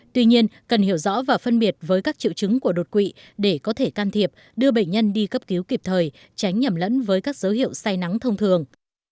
tuy nhiên cần hiểu rõ và phân biệt với các triệu chứng của đột quỵ để có thể can thiệp đưa bệnh nhân đi cấp cứu kịp thời tránh nhầm lẫn với các dấu hiệu say nắng thông thường